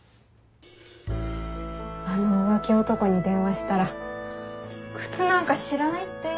あの浮気男に電話したら靴なんか知らないって。